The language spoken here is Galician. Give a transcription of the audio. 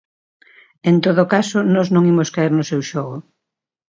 En todo caso, nós non imos caer no seu xogo.